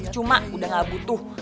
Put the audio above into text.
cuma udah gak butuh